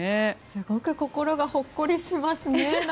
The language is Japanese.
すごく心がほっこりしますね。